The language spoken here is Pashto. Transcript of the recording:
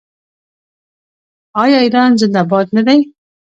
آیا ایران زنده باد نه دی؟